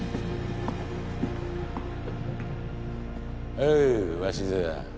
おう鷲津。